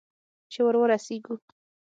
چې ور ورسېږو؟